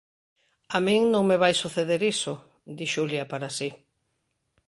"A min, non me vai suceder iso", di Xulia para si.